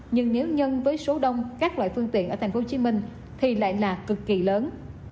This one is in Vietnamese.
nhưng nếu nhân với số đông các loại phương tiện ở tp hcm thì lại là cực kỳ lớn